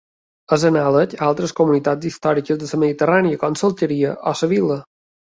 És anàleg a altres comunitats històriques de la Mediterrània com l'alqueria o la vil·la.